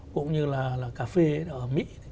cũng như là cà phê ở mỹ